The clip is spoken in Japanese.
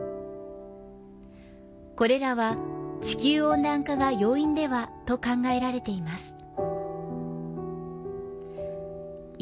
これらは地球温暖化が要因ではと考えられています。